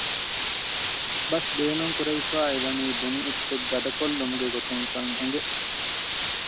ބަސް ބޭނުންކުރެވިފައި އެވަނީ ބުނި އެއްޗެއް ގަދަކޮށްލުމުގެ ގޮތުން ކަން އެނގެ